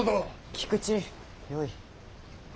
菊池よい。